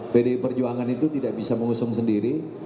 pdi perjuangan itu tidak bisa mengusung sendiri